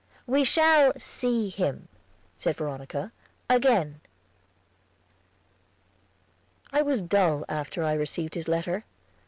"We shall see him," said Veronica, "again." I was dull after I received his letter.